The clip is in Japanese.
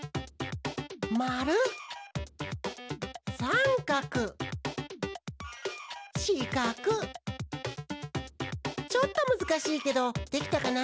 まるさんかくしかくちょっとむずかしいけどできたかな？